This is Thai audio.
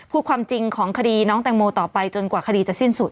ความจริงของคดีน้องแตงโมต่อไปจนกว่าคดีจะสิ้นสุด